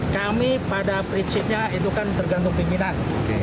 kami pada prinsipnya itu kan tergantung pimpinan